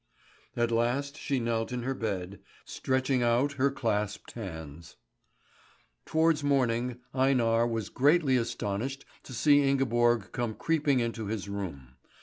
At last she knelt in her bed, stretching out her clasped hands. Towards morning Einar was greatly astonished to see Ingeborg come creeping into his room.